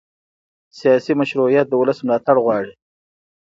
سیاسي مشروعیت د ولس ملاتړ غواړي